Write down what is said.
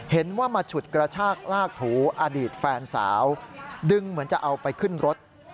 เห็นว่ามาฉุดกระชากลากถูอดีตแฟนสาวดึงเหมือนจะเอาไปขึ้นรถ